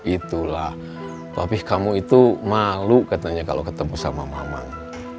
itulah tapi kamu itu malu katanya kalau ketemu sama mama